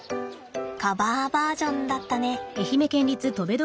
カバーバージョンだったね。